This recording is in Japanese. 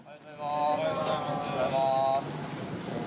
おはようございます。